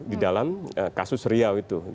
di dalam kasus riau itu